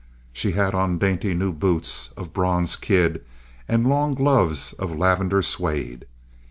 She had on dainty new boots of bronze kid and long gloves of lavender suede.